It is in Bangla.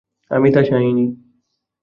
আমি তা চাই নি।